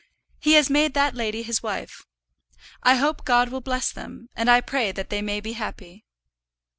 "He has made that lady his wife. I hope God will bless them, and I pray that they may be happy."